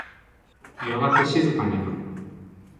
やがて静かになった。